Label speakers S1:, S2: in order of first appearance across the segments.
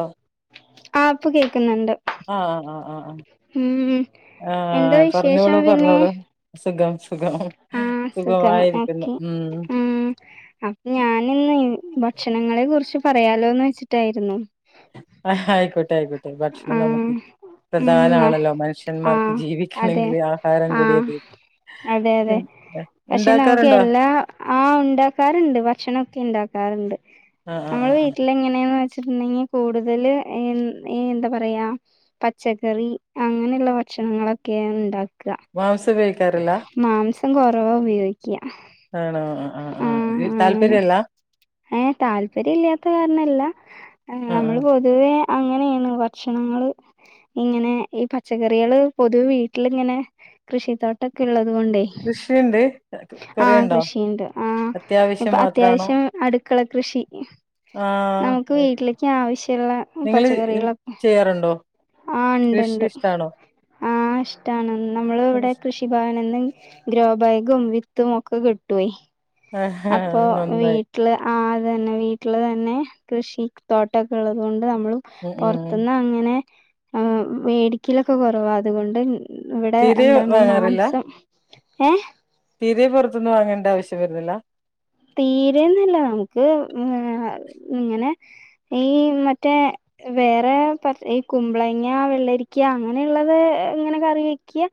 S1: ഓഹ്
S2: ആഹ് ഇപ്പം കേക്ക്ന്ന്ണ്ട്.
S1: ആഹ് ആഹ് ആഹ് ആഹ്
S2: എന്താ
S1: ആഹ്
S2: വിശേഷം
S1: പറഞ്ഞോളൂ
S2: പിന്നെ
S1: പറഞ്ഞോളു സുഖം. സുഖം
S2: ആ സുഖം
S1: സുഖമായിരിക്കുന്നു
S2: ഓക്കെ
S1: ഉം
S2: ഉം അപ്പൊ ഞാനിന്ന് ഭക്ഷണങ്ങളെ കുറിച്ച് പറയാലോന്ന് വെച്ചിട്ടായിരുന്നു.
S1: ആഹ് ആയിക്കോട്ടെ ആയിക്കോട്ടെ
S2: ആ
S1: ഭക്ഷണം നമുക്ക്
S2: ഉം ആ
S1: പ്രധാനാണല്ലോ
S2: ആ,
S1: മനുഷ്യന്മാർക്ക്
S2: അതെ
S1: ജീവിക്കണങ്കില് ആഹാരം
S2: ആ
S1: കൂടിയേ തീരു.
S2: അതെ അതെ പക്ഷെ നമുക്ക്
S1: ഇണ്ടാക്കാറുണ്ടോ
S2: എല്ലാ ആഹ് ഉണ്ടാക്കാറുണ്ട് ഭക്ഷണക്കെ ണ്ടാ ക്കാറുണ്ട്
S1: ആഹ് ആഹ്
S2: നമ്മള്
S1: ആഹ് ആഹ്
S2: വീട്ടില് എങ്ങനെയെന്ന് വെച്ചിട്ടുണ്ടെങ്കില് കൂടുതല് ഹേം എന്താ പറയാ പച്ചക്കറി അങ്ങനെള്ള ഭക്ഷണങ്ങളൊക്കെയാ ണ്ടാക്ക.
S1: മാംസം ഉപയോഗിക്കാറില്ല?
S2: മാംസം കുറവാ ഉപയോഗിക്ക.
S1: ആണോ ആഹ് ആഹ് ആഹ് അത് താല്പര്യം ഇല്ലാ?
S2: ഏഹ് താല്പര്യം ഇല്ലാത്ത കാരണല്ല ഏഹ്
S1: ആഹ്
S2: നമ്മള്
S1: ആഹ്
S2: പൊതുവേ അങ്ങനെ ണ് ഭക്ഷണങ്ങള് ഇങ്ങനെ ഈ പച്ചക്കറികള് പൊതുവ വീട്ടിലിങ്ങനെ കൃഷിത്തോട്ടമൊക്കെ ഉള്ളത് കൊണ്ടേ.
S1: കൃഷിയുണ്ട്
S2: ആഹ്
S1: കൊറേയുണ്ടോ?
S2: കൃഷിയുണ്ട് ആഹ്
S1: അത്യാവശ്യം
S2: ഇപ്പം
S1: മാത്രാണോ
S2: അത്യാവശ്യം അടുക്കള കൃഷി. നമുക്ക്
S1: ആഹ്
S2: വീട്ടില് ക്ക്‌ ആവശ്യള്ള
S1: നിങ്ങള്
S2: പച്ചക്കറികളും
S1: ചെയ്യാറുണ്ടോ
S2: ആഹ്
S1: കൃഷി
S2: ഇണ്ട്ണ്ട്
S1: ഇഷ്ടാണോ
S2: ആഹ് ഇഷ്ടാണ് നമ്മൾ ഇവിടെ കൃഷി കൃഷിഭവൻന്ന് ഗ്രോബാഗും വിത്തും ഒക്കെ കിട്ടോയ്.
S1: ആഹാ
S2: അപ്പൊ വീ
S1: നന്നായി.
S2: ട്ടില് ആഹ് അതന്നെ വീട്ടില് തന്നെ കൃഷി തോട്ടൊക്കെ ഉള്ളത് കൊണ്ട് നമ്മളും
S1: ഉം ഉം
S2: പൊറത്തുന്ന് അങ്ങനെ ഏഹ് വേടിക്കലൊക്കെ കൊറവാ അതുകൊണ്ട്. ഇവിടെ
S1: തീരെ
S2: എന്താണ്
S1: വാങ്ങാറില്ല?
S2: മാംസം ഏഹ്
S1: തീരെ പുറത്തൂന്ന് വാങ്ങേണ്ട ആവശ്യം വരുന്നില്ല.
S2: തീരന്നല്ല നമുക്ക് ഇങ്ങനെ ഈ മറ്റേ വേറെ പ ഈ കുമ്പളങ്ങ വെള്ളരിക്ക അങ്ങനെയുള്ളത് ഇങ്ങനെ കറി വെക്ക്യ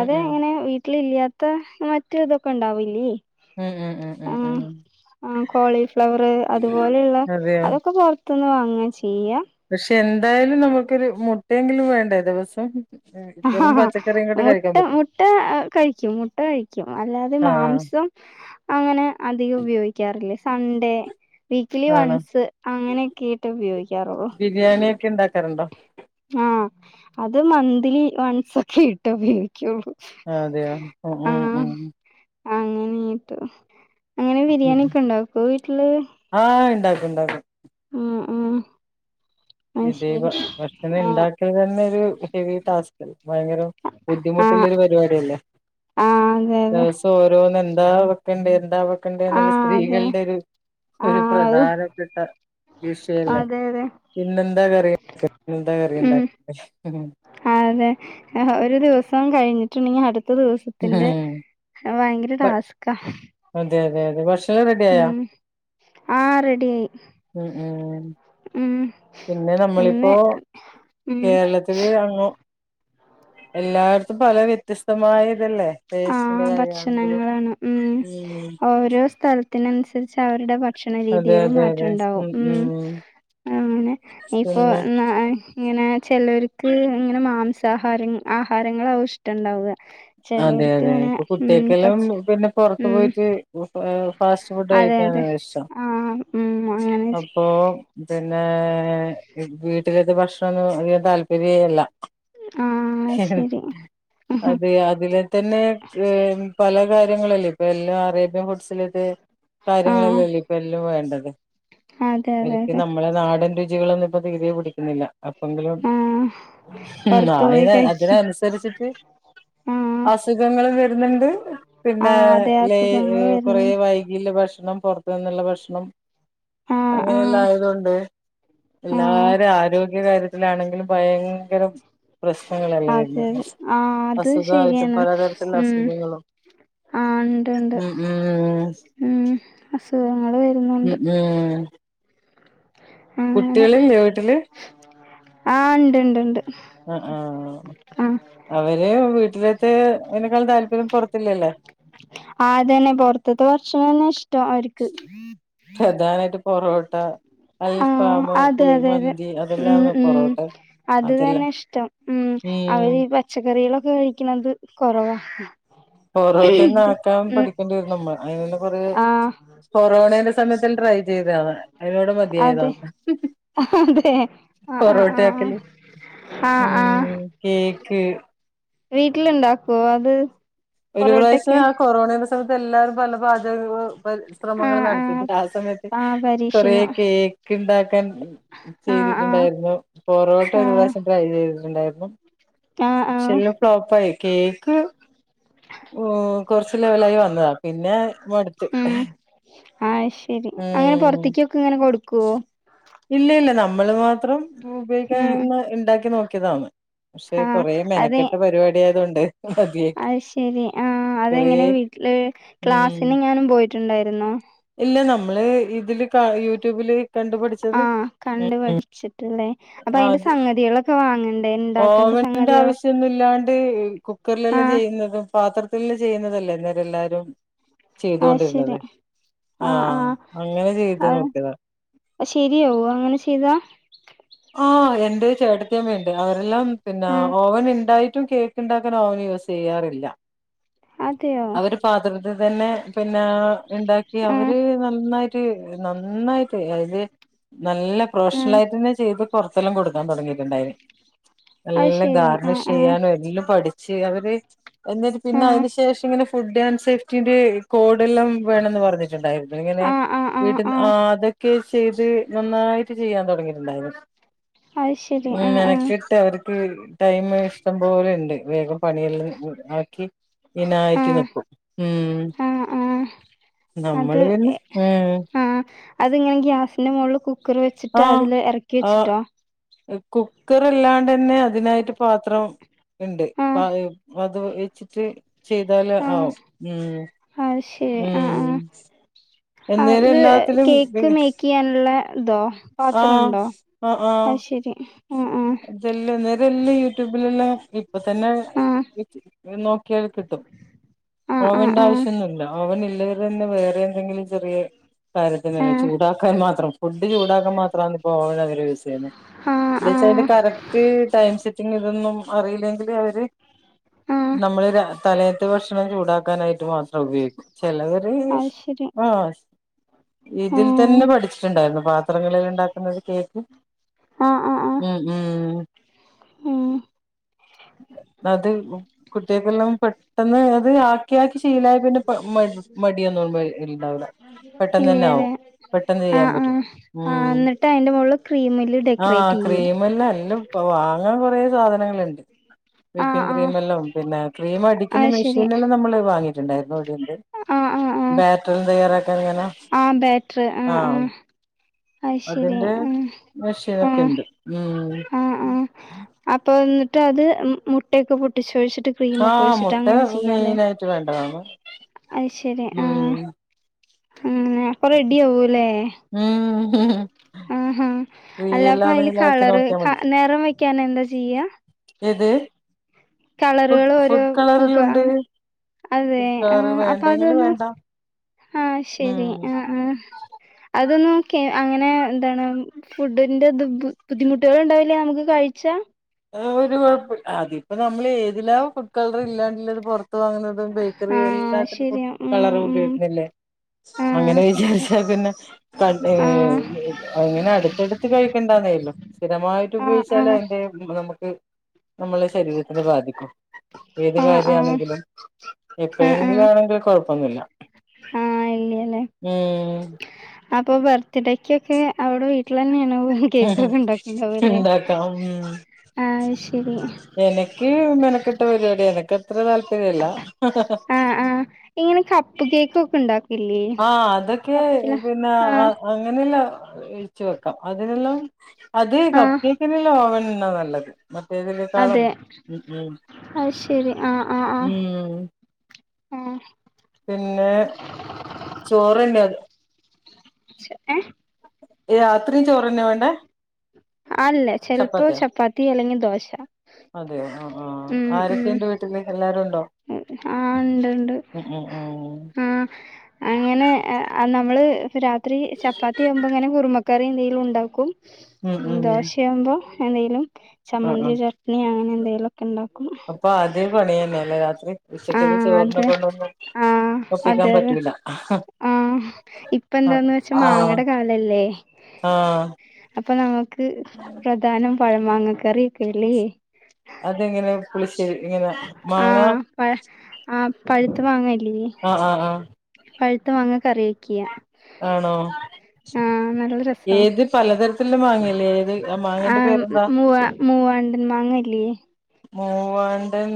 S1: ഉം ഉം
S2: ഇങ്ങനെ വീട്ടില് ഇല്ലാത്ത മറ്റു ഇതൊക്കെ ഉണ്ടാവില്ലിയേ
S1: ഏഹ് ഏഹ് ഏഹ്
S2: ഉം ഉം കോളിഫ്ലവറ് അതുപോലെയുള്ള
S1: അതെയോ?
S2: അതൊക്കെ പൊ ത്തുന്ന് വാങ്ങാ ചെയ്യ.
S1: പക്ഷെ എന്തായാലും നമുക്കൊരു മുട്ടയെങ്കിലും വേണ്ടേ ദിവസം. ഉം,
S2: ഹ ഹ
S1: വെറും
S2: ഹാ
S1: പച്ചക്കറിയും കൂടെ
S2: മുട്ട
S1: കഴിക്കാൻ പറ്റോ?
S2: മുട്ട കഴിക്കും മുട്ട കഴിക്കും അല്ലാതെ
S1: ആഹ്
S2: മാംസം അങ്ങനെ അധികം ഉപയോഗിക്കാറില്ല. സൺഡേ വീക്ക്ലി
S1: ആണോ?
S2: വൺസ് അങ്ങനെയൊക്കീട്ട് ഉപയോഗിക്കാറുള്ളൂ.
S1: ബിരിയാണിയക്കെ ഉണ്ടാക്കാറുണ്ടോ?
S2: ഉം അത് മന്ത്ലി വൺസ്‌ ക്കെഈട്ട് ഉപയോഗി ക്കും
S1: അതെയോ? ഉം ഉം
S2: ആഹ്
S1: ഉം
S2: അങ്ങനേട്ടോ എങ്ങനെ ബിരിയാണി
S1: ഉം
S2: ഒക്കെ ഉണ്ടാക്കോ വീട്ടില്.
S1: ആഹ് ഉണ്ടാക്കും ഉണ്ടാക്കും.
S2: ഉം ഉം അത്
S1: ഇതേ
S2: ശരി
S1: ഭക്ഷണം ഇണ്ടാ
S2: ആഹ്
S1: ക്കല് തന്നെ ഒരു ഹെവി ടാസ്ക്ല് ഭയങ്കര ബുദ്ധിമുട്ടുള്ള
S2: ആഹ്
S1: ഒരു പരിപാടി അല്ലേ?
S2: ആഹ് അതെ അതെ
S1: ദിവസം ഓരോന്ന് എന്താ വെക്കേണ്ടിയെ എന്താ വെ
S2: ആ
S1: കണ്ടിയെന്നുള്ള
S2: അതെ
S1: സ്ത്രീകളുടെ ഒരു
S2: ആ
S1: ഒരു പ്രധാനപ്പെട്ട വിഷയല്ലേ.
S2: അതെ അതെ
S1: ഇന്നെന്താ കറിയണ്ടാക്ക ഇന്നെന്താ കറിയിണ്ടാക്ക ഇന്നെന്താ
S2: ആഹ് അതെ ഒരു ദിവസം കഴിഞ്ഞിട്ടുണ്ടെങ്കി അടുത്ത ദിവസ ത്തിന്റെ അത് ഭയങ്കര ടാസ്ക്കാ.
S1: അതെയതെ അതെ ഭഷണം റെഡി ആയോ
S2: ആ റെഡിയായി
S1: ഉം ഉം.
S2: ഉം
S1: പിന്നെ
S2: ഇന്ന്
S1: നമ്മളിപ്പോ
S2: ഉം
S1: കേരളത്തില് അങ്ങ് എല്ലായിടത്തും പല വ്യത്യസ്തമായ ഇതല്ലേ. ടേസ്റ്റിന്റെ
S2: ഉം
S1: കാര്യമാണെങ്കിലും
S2: ഭക്ഷണങ്ങളാണ് ഉം
S1: ഉം
S2: ഓരോ സ്ഥലത്തിനനുസരിച്ച് അവരുടെ ഭ ഭക്ഷണ
S1: അതെ
S2: രീതികളും
S1: അതെ അതെ
S2: മാറ്റണ്ടാവും. ഉം അങ്ങനെ ഇപ്പോ
S1: പിന്നെ
S2: [unintelligible] ഇങ്ങനെ ചിലർക്ക് ഇങ്ങനെ മാംസാഹാരം ആഹാരങ്ങൾ ആവഷ്യ ട്ട്ണ്ടാവ ചെലോർക്ക് ഇങ്ങനെ ഉം
S1: ഒട്ടേക്കെല്ലും
S2: പച്ച
S1: പിന്നെ പൊറത്ത്
S2: ഉം
S1: പോയിട്ട് ഫാസ്റ്റ് ഫുഡ്
S2: അതെ അതെ
S1: കഴിക്കാനാണ് ഇഷ്ടം.
S2: ആഹ് ഉം അങ്ങനെ
S1: അപ്പോ പിന്നേ വീട്ടിലത്തേ ഭക്ഷണൊന്നും അങ്ങനെ താല്പര്യേല്ല.
S2: ആഹ് അത് ശരി ഹും ഹും.
S1: ഇതിലെ തന്നെ ഏഹ് പല കാര്യങ്ങളല്ലേ ഇപ്പൊ എല്ലാം അറേബ്യൻ ഫുഡ്സ് ലത്
S2: ആഹ്
S1: കാര്യങ്ങളല്ലല്ലോ ഇപ്പോ എല്ലും വേണ്ടത്.
S2: അതെ അതെ
S1: എനിക്ക്
S2: അതെ
S1: നമ്മ നമ്മളെ നാടൻ രുചികളൊന്നും ഇപ്പോ തീരെ പിടിക്കുന്നില്ല. അപ്പങ്കിലും
S2: ആഹ്
S1: ഹും
S2: പുറത്തു പോയി
S1: അയിന
S2: കഴിക്ക
S1: അതിനനുസരിച്ചിട്ട്.
S2: ആഹ്
S1: അസുഖങ്ങളും വരുന്നുണ്ട് പിന്നെ
S2: ആഹ് അതെ
S1: ലേ
S2: അസുഖങ്ങള്
S1: ഏഹ് കുറേ
S2: വരുന്നുണ്ട്
S1: വൈകിള്ള ഭക്ഷണം, പൊറത്തുന്നുള്ള ഭക്ഷണം
S2: ആഹ്
S1: അങ്ങനെയല്ലാം
S2: ആഹ്
S1: ആയതോണ്ട്
S2: ആഹ്
S1: എല്ലാരെ ആരോഗ്യ കാര്യത്തിലാണെങ്കിലും ഭയങ്കരം പ്രശ്നങ്ങളല്ല വര്ന്നേ..
S2: ആ അത് ശരിയാണ് ഉം.
S1: അസുഖങ്ങളും
S2: ആ ഉണ്ട് ഉണ്ട്
S1: ഉം ഉം
S2: ഉം അസുഖങ്ങൾ
S1: ഉം
S2: വരുന്നുണ്ട്.
S1: ഉം. കുട്ടികളുണ്ടോ വീട്ടില്?
S2: ആ ഉണ്ട് ഉണ്ട് ഉണ്ട്.
S1: ആ ആ
S2: ആഹ്
S1: അവര് വീട്ടിലത്തെ തിനെക്കാളും താല്പര്യം പുറത്തില്ലല്ലേ?
S2: ആതന്നെ പൊറത്തത്തെ ഭർഷണം തന്നെ ഇഷ്ടം അവർക്ക്.
S1: പ്രധാനയിട്ട് പൊറോട്ട.
S2: ആ
S1: അൽഫാം
S2: അതെ അതെ അതെ
S1: കുഴിമന്തി
S2: ഉം
S1: അതെല്ലാന്ന്
S2: ഉം
S1: പൊറോട്ട
S2: അത്
S1: അതെല്ലാം
S2: തന്നെ ഇഷ്ടം. ഉം അവര് പച്ചക്കറികളൊക്കെ കഴിക്കണത് കൊറവാ.
S1: പൊറോട്ട ആക്കാൻ
S2: ഉം
S1: പഠിക്കേണ്ടി വരു നമ്മൾ അതിനന്നെ കൊറെ
S2: ആഹ്
S1: കൊറോന്നേം സമയത്തിൽ ട്രൈ ചെതാണ് അതിനോട് മതിയത.
S2: അതെ അതെ ആഹ ആഹ് ആഹ ആഹ ആഹ് ആഹ.
S1: ഉം കേക്ക്
S2: വീട്ടിലുണ്ടാക്കോ അത്?
S1: ഒരു പ്രാവശ്യം
S2: പൊറോട്ടൊക്കെ
S1: ആ കൊറോണന്റെ സമയത്ത് എല്ലാരും പല പാചകങ്ങളും, ശ്രമങ്ങൾ
S2: ആഹ് ആഹ്
S1: നടത്തിട്ട ആ സമയത്ത്
S2: ആഹ്
S1: കൊറ
S2: പരീക്ഷണം
S1: കേക്ക് ക്കെ ഉണ്ടാക്കാൻ
S2: ആഹ് ആഹ്
S1: ചെയ്തിട്ടുണ്ടായിരുന്നു പൊറോട്ട ഒരു
S2: ആഹ്
S1: പ്രാവശം ട്രൈ ചെയ്തിട്ടുണ്ടായിരുന്നു.
S2: ആഹ് ആഹ്
S1: ചെല്ല ഫ്ലോപ്പായി കേക്ക് കേക്ക് കുറച്ച് ലെവലായി വന്നതാ പിന്നെ മടു-
S2: ഉ ആ ശരി അങ്ങനെ
S1: ഉം
S2: പൊറത്തേക്കൊക്കെ ഇങ്ങനെ കൊടുക്കുവോ?
S1: ഇല്ല ഇല്ല നമ്മള് മാത്രം ഉപയോഗിക്കാ
S2: ഉം
S1: ഉണ്ടാക്കി നോക്കിയതാണ്. ക്ഷെ
S2: ആഹ്
S1: കൊറെ
S2: അതെ
S1: മെനക്കെട്ട പരിപാടി ആയത കൊണ്ട്,
S2: അത് ശെരി ആ
S1: കൊറേ
S2: അതെങ്ങനെ വീട്ടില്
S1: ഉം
S2: ക്ലാസിന് ങ്ങാനും പോയിട്ടുണ്ടായിരുന്നോ?
S1: ഇല്ല നമ്മള് ഇതില് യൂട്യൂബില് കണ്ടുപഠിച്ചത്
S2: ആഹ്
S1: ഉം
S2: കണ്ട്
S1: ഉം
S2: [unintelligible] അപ്പൊ അതിന്റെ സംഗതികളൊക്കെ വാങ്ങണ്ടേ? ഇണ്ടാക്കണ്ട
S1: ഓവണന്റെ
S2: സംഗതികളൊ
S1: ആവശ്യന്നും ല്ലാണ്ട് കുക്കറിലെല്ലാം
S2: ആഹ്
S1: ചെയ്യുന്നതും. പാത്രത്തി ചെയ്യുന്നതല്ലേ ഇന്നേരം എല്ലാരും
S2: അത്
S1: ചെയ്തൊണ്ടിരുന്നത്.
S2: ശെരി ആഹ്
S1: ആഹ
S2: ആഹ്
S1: അങ്ങനെ ചെയ്ത്
S2: അത്
S1: നോക്കിയതാ.
S2: ശെരിയാവോ അങ്ങനെ ചെയ്താ?
S1: ആ എന്റെ ചേട്ടത്തി അമ്മയുണ്ട് അവരെല്ലാം എന്താ
S2: ആഹ്
S1: ഓവൻ ഉണ്ടായിട്ടും കേ ഉണ്ടാക്കാനോ ഓ വന് യൂസ് ചെയ്യാറില്ല.
S2: അതെയോ?
S1: പാതൃത തന്നെ പിന്നെ ണ്ടാക്കി
S2: ആഹ്
S1: അവര് നന്നായിട്ട് പ നന്നായിട്ട് അത് നല്ല പ്രൊഷണൽ
S2: ആഹ്
S1: ആയിട്ടന്നെ- പുറത്തെല്ലാം കൊടുക്കാൻ തുടങ്ങിട്ടുണ്ടായിന്നു.
S2: അത്
S1: എല്ലാം
S2: ശെരി ആഹ്
S1: ഗാർണിഷ്
S2: ആഹ്
S1: ചെയ്യാനും എല്ലാം പഠ ച്ച് അവര് എന്നിട്ട് പിന്നെ അതിനന് ശേഷം ഇങ്ങനെ ഫുഡ് ആൻഡ് സേഫ്റ്റിന്റെ, കോടല്ലം വേണെന്ന് പറഞ്ഞിട്ടുണ്ടായിരുന്നു. ഇങ്ങനെ
S2: ആഹ് ആഹ് ആഹ് ആഹ്
S1: വീട്ടിൽ
S2: ആഹ്
S1: അത് ഒക്കെ ചെയ്ത് നന്നായിട്ട് ചെയ്യാൻ തുടങ്ങിയിട്ടുണ്ടായിരുന്നു.
S2: അത് ശെരി ആഹ്
S1: [unintelligible]
S2: ആഹ്
S1: ക്കിട്ട് അവർക്ക് ടൈം ഇഷ്ടം പോലെുണ്ട് വേഗം പണിയെല്ലാം ആക്കി തിനായിട്ട്
S2: ആഹ്
S1: നിക്കും ഉം.
S2: ആഹ് ആഹ്
S1: നമ്മള് വന്ന,
S2: ആ അത്ങ്ങനെ ഗ്യാസിന്റെ മുകളിൽ കുക്കർ വെച്ചിട്ട്
S1: ആ
S2: അതില് ഇറക്കി വെച്ചിട്ടാ?
S1: കുക്കർല്ലാണ്ട്ന്നെ അതിനായിട്ട് പാത്രം ഉണ്ട്
S2: ആഹ്
S1: പ ത്രം വെച്ചിട്ട് ചെയ്താല് ആവും ഉ.
S2: ഹാ ശ്
S1: ഊമ്
S2: ഹ ഇത് കേക്ക്
S1: പിന്നെ
S2: മേക്ക് യ്യാന്ള്ള തോ
S1: ആഹ്
S2: പാത്രണ്ടോ ഹയ് ശരി അ ആഹ്
S1: ലെല്ലോ നെരെല്ലാം യൂട്യൂബിലല്ലൊ ഇപ്പൊ തന്നെ
S2: ആഹ്
S1: ഇ നോക്കിയാൽ കിട്ടും
S2: ആഹ്
S1: ഓവന്റെ
S2: ആഹ്
S1: ആവശ്യോന്നില്ല ഓവൻ ഇല്ലതെ തന്നെ വേറെന്തെങ്കില് ചെറിയെ കാര്യത്തിന്
S2: ആഹ്
S1: ചൂടാക്കാൻ മാത്രം ഫുഡ് ചൂടാക്കാൻ മാത്രാന്ന് പ്പോ ഓവൻ അവര് യൂസ് ചെയ്യുന്നെ
S2: ആഹ് ആഹ്
S1: ഇല്ലാച്ച അതിന്റെ
S2: ആഹ്
S1: കറക്റ്റ് ടൈം സെറ്റിങു തൊന്നും അറിയില്ലെങ്കില് അവര്
S2: ആഹ് ആഹ്
S1: നമ്മള് രാ തലേത്ത ഭക്ഷണം ചൂടാക്കാനായിട്ട് മാത്രം ഉപയോഗിക്കൂ ചെലവര്
S2: അത് ശരി
S1: ആഹ് ഇതിൽ
S2: ആഹ്
S1: തന്നെ പഠിച്ചിട്ടുണ്ടാരുന്നു പാത്രങ്ങളിൽ ഉണ്ടാക്കുന്നത് കേക്ക്
S2: ആഹ് ആഹ് ആഹ്
S1: ഉം ഉംഊമ്
S2: ഹൂം
S1: അത് കുട്ടികക്ക്ള്ളതും പെട്ടെന്ന് അത് ആക്കി ആക്കി ശീലായ് പിന്നെ പ മട് മടിയൊന്നു ണ്ടാവൂല്ല. പെട്ടെന്നെ ന്നാവും
S2: ഇല്ല്യല്ലേ
S1: പെട്ടെന്ന് ചെയ്യാൻ
S2: ആഹ്
S1: പറ്റും
S2: ആഹ് ആഹ്
S1: ഉം.
S2: എന്നിട്ട് അതിന്റെ മോളില് ക്രീമില്
S1: ആഹ്
S2: ഡെക്കറേറ്റ് ചെയ്യ
S1: ക്രീമ് പ്പല്ല എല്ലോം പ്പ വാങ്ങാൻ കൊറേ സാധനങ്ങള്ണ്ട്
S2: ആഹ്
S1: വിപിങ്ങ് ക്രീം
S2: ആഹ്
S1: എല്ലാം പിന്നെ ക്രീമ ടിക്കുന്ന
S2: അത് ശരി
S1: മെഷീനെല്ലാം നമ്മള് വാങ്ങിട്ടുണ്ടായിരുന്നു ഇവിടെണ്ട്
S2: ആഹ് ആഹ് ആഹ്
S1: ബാട്രിൻ തയ്യാറാക്കാൻ ഇങ്ങനെ ആഹ്
S2: അത് ശരി
S1: അതിന്റെ
S2: ആഹ് ആഹ്
S1: മെഷിയനൊക്കെണ്ട്. ഉം
S2: ആഹ് ആഹ് അപ്പൊ ഇന്ന്ട്ടത് മു മുട്ടേക്കെ പൊട്ടിച്ചൊഴിച്ചിട്ട് ക്രീമൊക്കെ
S1: ആഹ്
S2: ഒഴിച്ചിട്ട്
S1: മുട്ട
S2: അങ്ങനെ
S1: മെയിനായിട്ട് വേണ്ടതാണ്
S2: അയ് ശരി ആഹ്
S1: ഉം
S2: അങ്ങനെ അപ്പ റെഡിയാവൂല്ലേ
S1: ഉഉം ഹ് ഹ് ഹും
S2: ആഹ് ആഹ് അല്ലപ്പ അയില്
S1: ആക്കി
S2: കളറ്
S1: നോക്കിയാ
S2: ക
S1: മതി
S2: നെറം വെയ്ക്കാനെന്താ ചെയ്യാ
S1: ഏത് ഫുഡ്
S2: കളറാള് ഓരോ
S1: ഫുഡ്
S2: പൂക
S1: കളറിലുണ്ട്
S2: അങ്ങ് അതെ
S1: ഫുഡ് കളറ്
S2: ആഹ് അപ്പൊ
S1: വേണ്ടെങ്കില്
S2: അതൊന്നു
S1: വേണ്ട
S2: ആഹ് ശരി
S1: ഉം
S2: ആഹ് ആഹ് അതൊന്നും കേ അങ്ങനെ ന്താണ് ഫുഡിന്റെത് ബു ബുദ്ധിമുട്ടുകൾ ഉണ്ടാവില്ല നമുക്ക് കഴിച്ചാ
S1: ആഹ് ഒരു കുഴപ്പോ അതിപ്പ നമ്മള് ഏതിലാ ഫുഡ് കളർ ഇല്ലാണ്ടല്ലത് പുറത്ത് വാങ്ങുന്നതും ബേക്കറികളില്
S2: ആഹ്
S1: എല്ലാത്തിലും ഫുഡ്‌
S2: ശരിയാ ഉം
S1: കളറും
S2: ഉം
S1: ഉപയോഗിക്കുന്നില്ലേ അങ്ങനെ
S2: ആഹ്
S1: വിചാരിച്ച പിന്നെ കൺ ഏഹ്
S2: ആഹ്
S1: അങ്ങനെ അടുത്തടുത്ത് കഴിക്കണ്ടാന്നേ യുള്ളു സ്ഥിരമായിട്ട്
S2: ആഹ്
S1: ഉപയോഗിച്ചാലേ
S2: ആഹ്
S1: അയിന്റെ നമുക്ക് നമ്മള ശരീരത്തിനെ ബാധിക്കു ഏത്
S2: ആഹ് ആഹ്
S1: കാര്യാണെങ്കിലും
S2: ആഹ്
S1: എപ്പോഴെങ്കിലും
S2: ആഹ്
S1: ആണെങ്കിൽ കൊഴപ്പൊന്നുല്ല
S2: ആഹ് ഇല്ല്യലെ
S1: ഉംഊമ്
S2: അപ്പൊ വർത്ത്ഡേയ്ക്കൊക്കെ അവിടെ വീട്ടിലെന്നേണോ ഉ [unintelligible] കേക്കൊക്കെ ഉണ്ടാക്കണ്ടാവുല്ലേ
S1: ഇണ്ടാക്കാം
S2: ആഹ് ശരി
S1: എനക്ക് മെനക്കെട്ട പരിപാടിയ എനക്കത്ര താല്പര്യല്ല ഹഹ് ഹ ഹ
S2: ആഹ് ആഹ് ഇങ്ങനെ കപ്പ് കേക്കൊക്കെണ്ടാക്
S1: ആഹ് അതൊക്കെ പിന്ന ആഹ് അങ്ങനെല്ലാം ഇഴിച്ച് വെക്കാം അതിനെല്ലാം അത് കപ്പ്
S2: ആഹ്
S1: കേക്കിന്ല്ല ഓവൻ തന്നാ നല്ലത് മറ്റേതിലേക്കാളും
S2: അതെ
S1: ഉം ഉം
S2: അത്
S1: ഊമ്
S2: ഉംഹ്
S1: പിന്നെ ചോറല്ലത്
S2: ച്ച് ഏഹ്
S1: രാത്രി ചോറന്നെ വേണ്ടേ
S2: അല്ലേ ചെൽപ്പോ
S1: ചപ്പാത്തിയോ
S2: ചപ്പാത്തി അല്ലെങ്കി ദോശ
S1: അതെയോ ആഹ് ആഹ് ആരൊക്കെണ്ട് വീട്ടില് എല്ലാരും ഉണ്ടോ
S2: ആഹ് ഉണ്ട് ഉണ്ട്
S1: ഉം ഉം ഉം
S2: ആഹ അങ്ങനെ നമ്മള് രാത്രി ചപ്പാത്തിയാവുമ്പോ ഇങ്ങനെ കുറുമക്കറി എന്തേലും ഉണ്ടാക്കും ഉം ദോശയാവുമ്പോ എന്തേലും
S1: ആഹ് ആഹ്
S2: ചമ്മന്തി ചട്നി അങ്ങനെ എന്തെലും ണ്ടാക്കും
S1: വിശക്കത് ചോർന്നേക്കുള്ളതോ
S2: ആ അതെ അതെ ആഹ
S1: ആ
S2: ഇപ്പന്താന്ന് വെച്ചാ
S1: ആഹ്
S2: മാങ്ങയിടെ കാലല്ലേ
S1: ആഹ്
S2: അപ്പൊ നമക്ക് പ്രധാനം പഴ മാങ്ങ കറിയൊക്കെല്ലേ
S1: അത്ങ്ങനെ പുളിച്ചേ ഇങ്ങനെ മാങ്ങ
S2: പ ആ പഴുത്ത മാങ്ങല്ലേ
S1: ആഹ ആഹ ആഹ
S2: പഴുത്ത മാങ്ങ കറി വെക്കിയ
S1: ആണോ
S2: ആഹ നല്ല രസാ
S1: ഏത് പലതരത്തിലുള്ള മാങ്ങല്ലേ ഏത്
S2: ആ
S1: മാങ്ങന്റെ പേരെന്താ
S2: മൂവാ. മൂവാണ്ടൻ മാങ്ങയില്ലേ.
S1: മൂവാണ്ടൻ.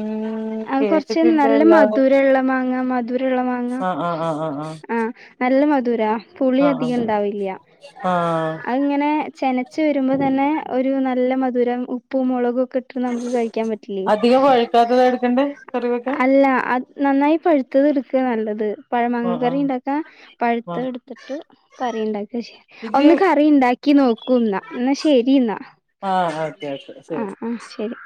S2: ആ കൊറച്ച്
S1: കേട്ടിട്ടില്ല
S2: നല്ല
S1: അല്ലാതെ
S2: മധുരള്ള മാങ്ങ മധുരള്ള മാങ്ങ
S1: ആഹ് ആഹ് ആഹ് ആഹ് ആഹ്
S2: ആ നല്ല മധുരാ പുളി
S1: ആഹ് ആഹ്
S2: അധികയുണ്ടാവില്ല
S1: ആഹ്
S2: അങ്ങനെ ചെനച്ച് വരുമ്പോതന്നെ ഒരു നല്ല മധുരം ഉപ്പും മുളകും ഒക്കെ നമുക്ക് കഴിക്കാൻ പറ്റില്ലേ
S1: ജാധത എടുക്കണ്ടേ കറിവെക്കാ.
S2: അല്ല അ നന്നായി പഴുത്തത് എടുക്കാ നല്ലത്. പഴ മാങ്ങ
S1: ആഹ്
S2: കറി
S1: ആഹ്
S2: ഉണ്ടാക്ക പഴുത്ത
S1: ആഹ്
S2: എടുത്തിട്ട് കറി ഉണ്ടാക്ക ചെയ്യ
S1: ഇത്
S2: ഒന്ന് കറി ഉണ്ടാക്കി നോക്കുയെന്നാ എന്നാ ശരി എന്നാ
S1: ഓക്കെ ആഹ് ഓക്കെ
S2: ആ ആ
S1: ശരി
S2: ശരി